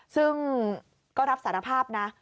ซึ่งก็รับสารภาพนะ